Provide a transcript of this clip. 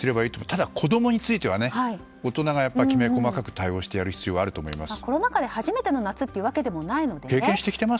ただ、子供については大人がきめ細かく対応する必要があると思います。